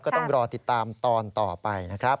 ก็ต้องรอติดตามตอนต่อไปนะครับ